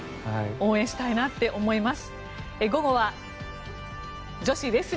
応援したいなと思います。